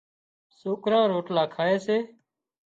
سوڪران روٽلا کائي سي۔